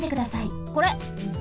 これ！